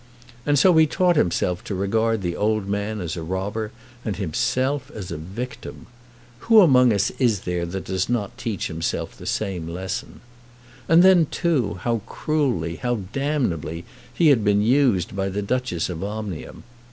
And so he taught himself to regard the old man as a robber and himself as a victim. Who among us is there that does not teach himself the same lesson? And then too how cruelly, how damnably he had been used by the Duchess of Omnium!